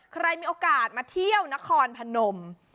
ใครมีโอกาสมาเที่ยวนครพนม